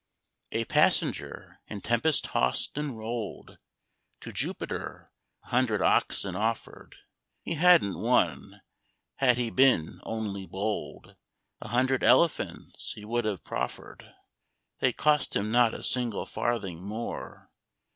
A Passenger, in tempest tossed and rolled, To Jupiter a hundred oxen offered. He hadn't one; had he been only bold, A hundred elephants he would have proffered: They'd cost him not a single farthing more.